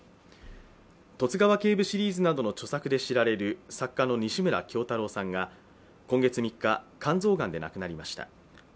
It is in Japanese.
「十津川警部」シリーズなどの著作で知られる作家の西村京太郎さんが今月３日、肝臓がんで亡くなりました。